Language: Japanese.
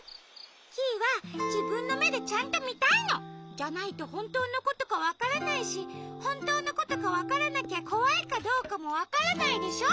キイはじぶんのめでちゃんとみたいの！じゃないとほんとうのことかわからないしほんとうのことかわからなきゃこわいかどうかもわからないでしょ。